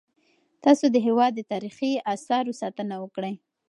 تاسو د هیواد د تاریخي اثارو ساتنه وکړئ.